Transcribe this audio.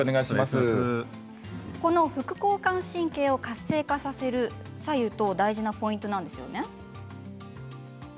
この副交感神経を活性化させるには白湯が大事なポイントなんですね。